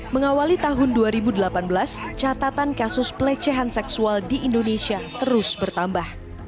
mengawali tahun dua ribu delapan belas catatan kasus pelecehan seksual di indonesia terus bertambah